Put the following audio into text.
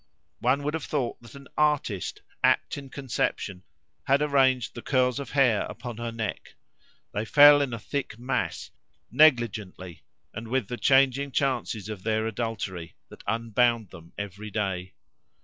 One would have thought that an artist apt in conception had arranged the curls of hair upon her neck; they fell in a thick mass, negligently, and with the changing chances of their adultery, that unbound them every day.